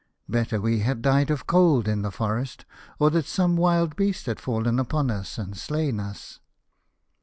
Better that we had died of cold in the forest, or that some wild beast had fallen upon us and slain us."